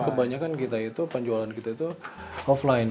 kebanyakan penjualan kita itu offline